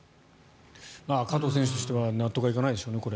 加藤選手としては納得がいかないでしょうね。